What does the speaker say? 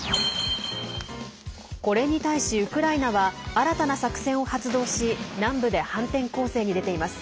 これに対しウクライナは新たな作戦を発動し南部で反転攻勢に出ています。